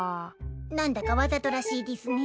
何だかわざとらしいでぃすね。